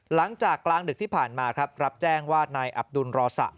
กลางดึกที่ผ่านมาครับรับแจ้งว่านายอับดุลรอสะ